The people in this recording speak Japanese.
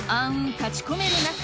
立ち込めるなか